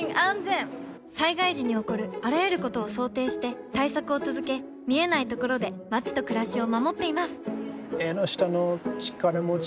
災害時に起こるあらゆることを想定して対策を続け見えないところで街と暮らしを守っていますエンノシタノチカラモチ？